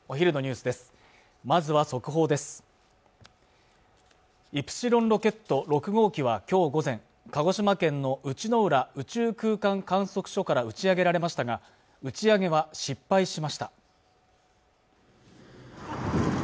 イプシロンロケット６号機はきょう午前鹿児島県の内之浦宇宙空間観測所から打ち上げられましたが打ち上げは失敗しました